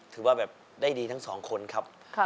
ถือว่าแบบได้ดีทั้งสองคนครับ